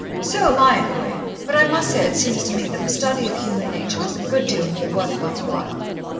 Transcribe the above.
So am I, in a way, but I must say it seems to me that the study of human nature is a good deal more worth one's while."